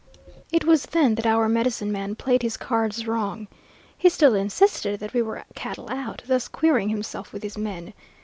It was then that our medicine man played his cards wrong. He still insisted that we were cattle out, thus queering himself with his men.